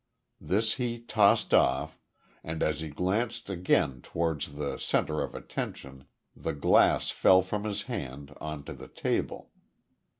This he tossed off, and as he glanced again towards the centre of attention the glass fell from his hand on to the table.